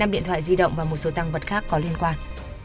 năm điện thoại di động và một số tăng vật khác có liên quan